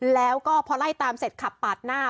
แล้วก็พอไล่ตามเสร็จขับปาดหน้า